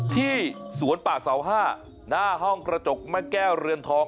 ที่สวนป่าเสา๕หน้าห้องกระจกแม่แก้วเรือนทอง